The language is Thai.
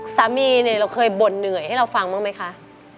สามีเนี่ยเราเคยบ่นเหนื่อยให้เราฟังบ้างไหมคะ